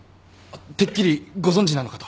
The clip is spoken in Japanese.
てっきりご存じなのかと。